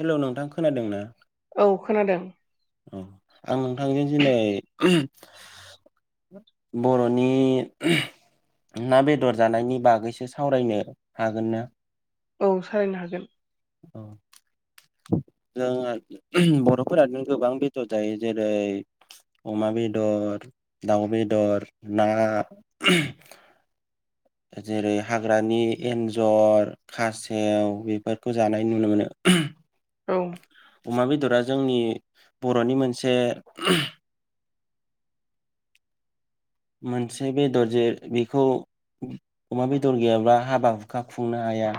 Hello नोंथां खोनादों ना? औ खोनादों। औ आं नोंथांजों दिनै बर'नि ना, बेदर जानायनि बागैसो सावरायनो हागोन ना? औ सालायनो हागोन। औ जोंहा ओहम बर'फोरानो गोबां बेदर जायो जेरै अमा बेदर, दाउ बेदर, ना। जेरै हाग्रानि एन्जर खासेव बेफोरखौ जानाय नुनो मोनो। [unintelligible] औ अमा बेदरा जोंनि बर'नि मोनसे मोनसे बेदर जे बेखौ अमा बेदर गैयाब्ला हाबा हुखा खुंनो हाया।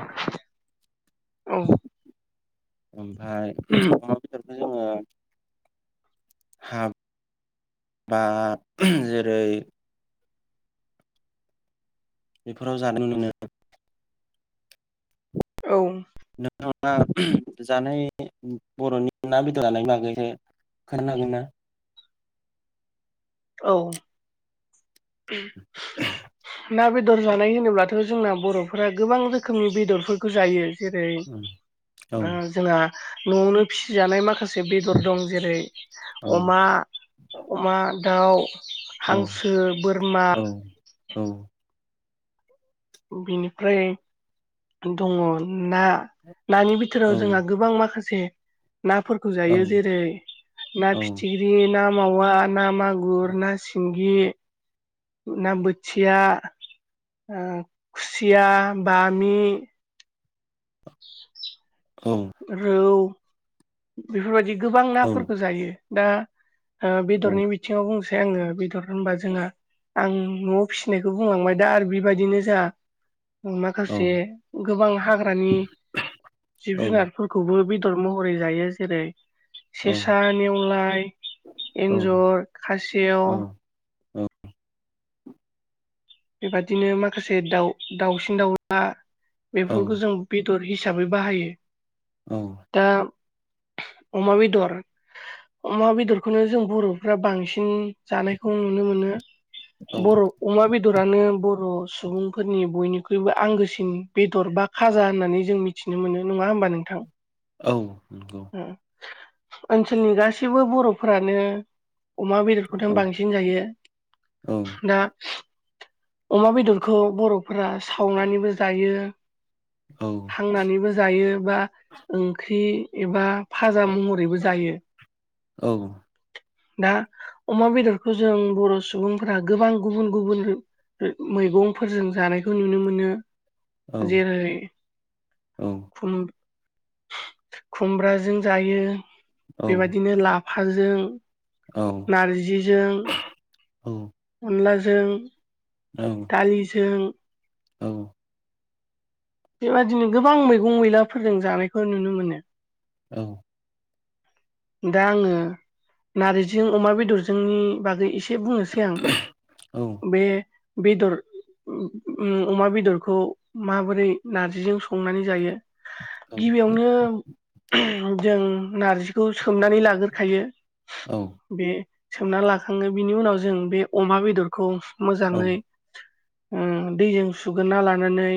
औ ओमफ्राय ओहम अमा बेदरखौ जोङो हा बा जेरै बेफोराव जागोन मोनो। औ नोंथाङा जानाय बर'नि ना बेदर जानाय बागै एसे खोन्थानो हागोनना? औ ए [unintelligible] ना बेदर जानाय होनोब्लाथ' जोंना बर'फोरा गोबां रोखोमनि बेदरफोरखौ जायो। जेरै औ ओ जोंहा न'आवनो फिसि जानाय माखासे खासे बेदर दं जेरै औ अमा अमा दाउ। हांसो बोरमा। औ औ बिनिफ्राय दङ ना। नानि बिथोराव जोंहा गोबां माखासे नाफोरखौ औ जायो जेरै ना फिथिख्रि ना मावा ना मागुर ना सिंगि ना बोथिया ओ खुसिया बामि औ रौ बेफोरबायदि गोबां औ नाफोरखौ जायो दा ओ बेदरनि नंगौ बिथिङाव बुंसै आङो बेदर होनबा जोंहा आं न'आव फिसिनायखौ बुंलांबाय दा आरो बेबायदिनो जोंहा उम माखासे औ गोबां हाग्रानि जिब जुनारफोरखौबो बे बेदर महरै जायो जेरै औ सेसा नेवलाय एन्जर खासेव औ बेबादिनो माखासे दाउ दाउसिन दाउला औ बेफोरखौ जों बे दर हिसाबै बाहायो, दा अमा बेदर अमा बेदरखौनो जों बर'फ्रा बांसिन जानायखौ नुनो मोनो, बर' अमा बेदरानो बर बर' सुबुंफोरनि बयनिख्रुइबो आंगोसिन बेदर बा खाजा होननानै जों मिथिनो मोनो नङा होम होमबा नोंथां। औ नंगौ। ओनसोलनि गासैबो बर'फोरानो अमा बेदरखौथ' बांसिन जायो, दा अमा बेदरखौ बर'फोरा सावनानैबो जायो। औ हांनानैबो जायो बा ओंख्रि एबा फाजा महरैबो जायो। औ दा अमा बेदरखौ जों बर' सुबुं ओ मैगंफोरजों जानायखौ नुनो मोनो जेरै खुम खुमब्राजों जायो बेबायदिनो लाब फाजों नारजिजों अनलाजों दालिजों औ। बेबादिनो गोबां मैगं मैलाफोरजों जानायखौ नुनो मोनो। औ। दा आङो नारजिजों अमा बेदरजोंनि बागै इसे से बुंनोसै आं औ बे बेदर उ‌ उम अमा बेदरखौ माबोरै नारजिजों संनानै जायो? औ गिबियावनो जों नारजिखौ सोमनानै लाग्रोखायो औ बे सोमना लाखाङो बिनि उनाव जों बे अमा बेदरखौ मोजाङै‌ उम दैजों सुग्रोना लानानै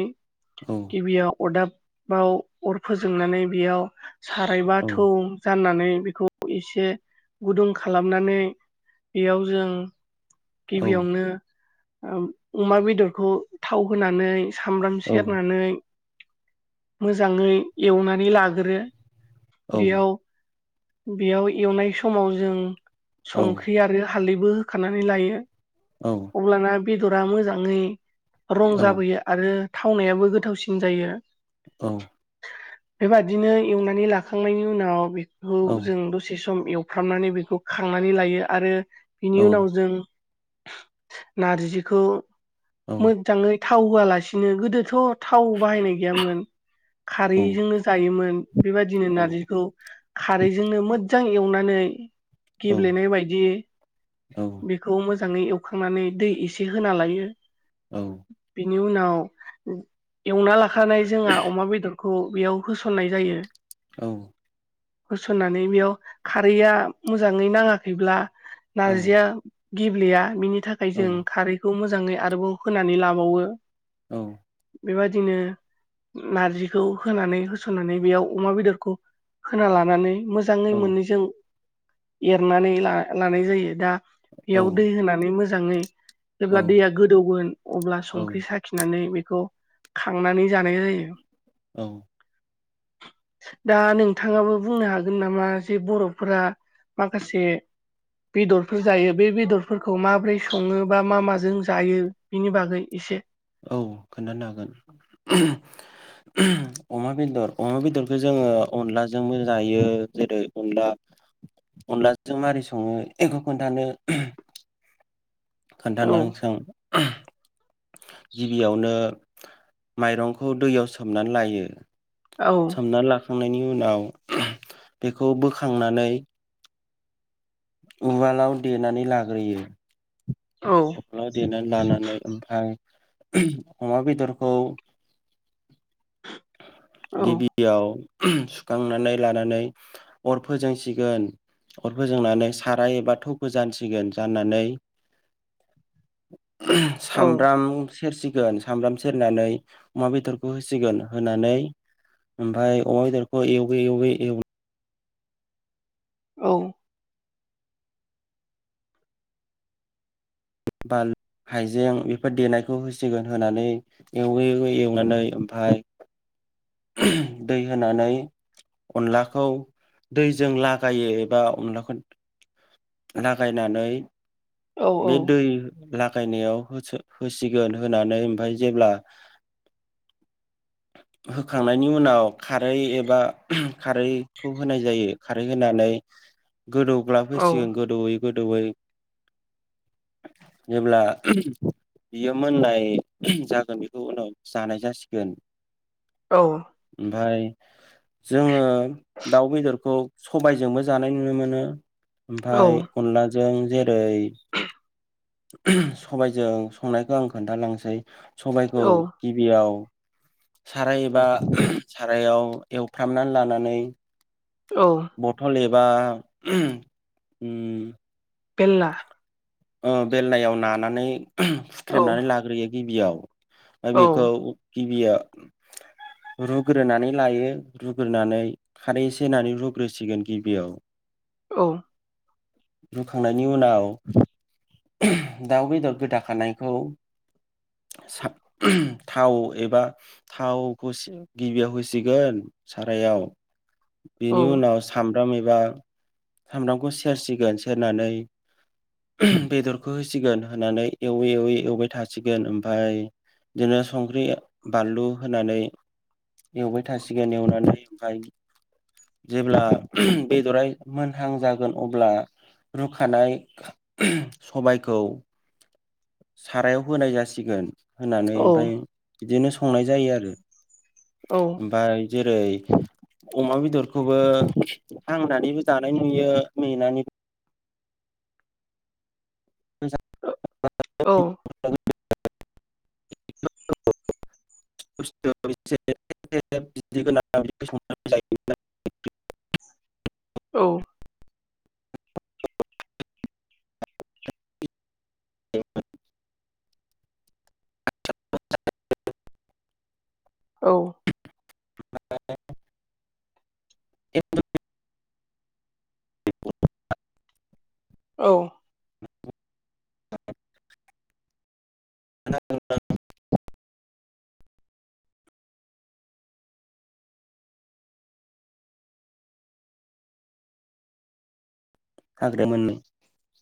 औ गिबियाव अरदाबाव अर फोजोंनानै बेयाव साराय बा‌ औ थौ जाननानै बेखौ एसे गुदुं खालामनानै बेयाव जों औ गिबियावनो ओम अमा बेदरखौ थाव होनानै सामब्राम औ सेरनानै मोजाङै एवनानै लाग्रो औ बेयाव बेयाव एवनाय समाव जों संख्रि आरो हालदैबो होखानानै लायो अब्लाना बेदरा मोजाङै रं जाबोयो आरो थावनायाबो गोथावसिन जायो। औ। बेबादिनो एवनानै लाखांनायनि उनाव बेखौ जों दसे स [unintelligible] एवफ्रामनानै बेखौ खांनानै लायो आरो बिनि उनाव जों नारजिखौ मोजाङै थाव होआलासिनो गोदोथ' थाव बाहायनाय गैयामोन खारैजोंनो जायोमोन । बेबायदिनो नारजिखौ खारैजोंनो मोजां एवनानै गेब्लेनाय बायदि बेखौ मो मोजाङै एवखांनानै दै एसे होना लायो। औ। बेनि उनाव एवना लाखानाय जोंहा अमा बेदर खौ बेयाव होसननाय जायो । औ । होसननानै बेयाव खारैया मोजाङै नाङाखैब्ला नारजिया गेब्लेया बिनि थाखाय जों खारैखौ मोजाङै आरोबाव होनानै लाबावो। औ। बेबायदिनो नारजिखौ होनानै होसननानै बेयाव अमा बेदरखौ होना लानानै मोजाङै मोननैजों एरनानै ला लानाय जायो दा बेयाव दै होनानै मोजाङै जेब्ला दैया गोदौगोन अब्ला संख्रि साखिनानै बि खौ खांनानै जानाय जायो। औ। दा नों नोंथाङाबो बुंनो हागोन नामा जे बर'फोरा माखासे बेदरफोर जायो। बे बेदरफोरखौ माबोरै सङो बा मा माजों जायो? बेनि बागै एसे औ खोनथानो हागोन। अमा बेदर अमा बेदरखौ जोङो अनलाजोंबो जायो जेरै अनला अनलाजों माबारै सङो एखौ खोन्थानो खोन्था औ [unintelligible] गिबियावनो माइरंखौ दैयाव सोमनानै लायो। औ सोमनानै लाखांनायनि उनाव बेखौ बोखांनानै उवालाव देनानै लाग्रोयो। औ खख्लाव देनानै लानानै ओमफ्राय। अमा बेदरखौ। औ गिबियाव। सुखांनानै लानानै अर फोजोंसिगोन। अर फोजोंनानै सारा एबा थौखौ जानसिगोन जाननानै। औ सामब्राम सेरसिगोन सामब्राम सेरनानै अमा बेदरखौ होसिगोन। होनानै ओमफ्राय अमा बेदरखौ एवै एवै एवै। औ। बाल। हाइजें बेफोर देनायखौ होसिगोन होनानै एवै एवै एवनानै ओमफाय। दै होनानै। अनलाखौ दैजों लागायो एबा अनलाखौ। लागायनानै औ बे दै। लागायनायाव होसिगोन होनानै ओमफाय जेब्ला। होखांनायनि उनाव। खारै एबा खारैखौ होनाय जायो खारै होनानै। औ गोदौग्लाफैसिगोन गोदौयै गोदौयै। जेब्ला। बियो मोननाय जागोन बेखौ उनाव जानाय जासिगोन। औ। ओमफाय जोङो दाउ बेदरखौ सबायजोंबो जानाय नुनो मोनो। औ ओमफाय अनलाजों जेरै। सबायजों संनायखौ आं खोन्थालांसै सबाइखौ औ गिबियाव। साराय एबा सारायाव एवफ्रामनानै लानानै। औ बथल एबा। फेलला। ओ बेल्लायाव नानानै औ हुख्रेमनानै लाग्रोयो गिबियाव। आरो औ बेखौ गिबिया। रुग्रोनानै लायो रुग्रोनानै खारै इसे होनानै रुग्रोसिगोन गिबियाव। औ। रुखांनायनि उनाव। दाउ बेदर गोदाखानायखौ। सा थाव एबा थाव गिबियाव होसिगोन सारायाव। औ बेनि उनाव साम ब्राम एबा सामब्रामखौ सेरसिगोन सेरनानै। बेदरखौ होसिगोन होनानै एवै एवै एवबाय थासिगोन ओमफाय। बिदिनो संख्रि बानलु होनानै। एवबाय थासिगोन एवनानै ओमफाय। जेब्ला बेदरा मोनहां जागोन अब्ला। रुखानाय। सबायखौ सारायाव होनाय जासिगोन। होनानै औ ओमफाय बिदिनो संनाय जायो आरो औ ओमफाय। जेरै। अमा बेदरखौबो हांनानैबो जानाय नुयो मेंनानै। मेनानैबो ओ औ। [unintelligible] [unintelligible] [unintelligible] औ [unintelligible] औ। [unintelligible] [unintelligible] औ। [unintelligible] [unintelligible] हाग्राया मोननै।